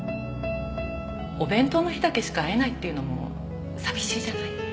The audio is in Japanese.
お弁当の日だけしか会えないっていうのも寂しいじゃない。